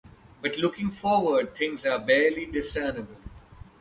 But looking forward, things are barely discernible.